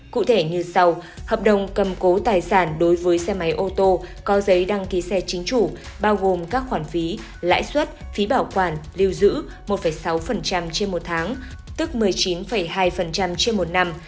cụ thể như sau hợp đồng cầm cố tài sản đối với xe máy ô tô có giấy đăng ký xe chính chủ bao gồm các khoản phí lãi suất phí bảo quản lưu giữ một sáu trên một tháng tức một mươi chín hai trên một năm